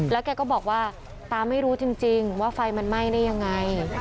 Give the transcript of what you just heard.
แล้วแกก็บอกว่าตาไม่รู้จริงว่าไฟมันไหม้ได้ยังไง